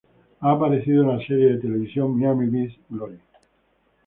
Ha aparecido en las series de televisión "Miami Vice, Glory!